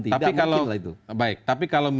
tidak mungkin lah itu baik tapi kalau